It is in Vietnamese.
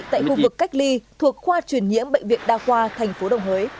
tại khu vực cách ly thuộc khoa truyền nhiễm bệnh viện đa khoa thành phố đồng hới